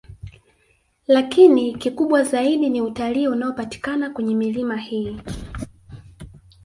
Lakini kikubwa zaidi ni utalii unaopatikana kwenye milima hii